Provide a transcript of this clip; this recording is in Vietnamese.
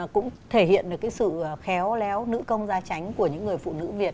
cũng thể hiện được cái sự khéo léo nữ công gia tránh của những người phụ nữ việt